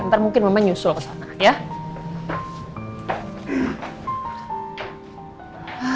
ntar mungkin mama nyusul ke sana ya